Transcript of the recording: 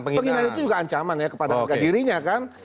penghinaan itu juga ancaman ya kepada dirinya kan